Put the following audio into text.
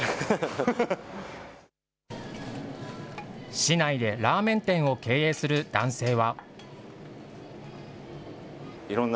市内でラーメン店を経営する男性は。